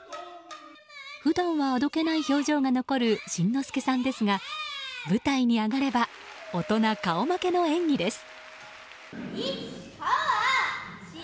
普段はあどけない表情が残る新之助さんですが舞台に上がれば大人顔負けの演技です。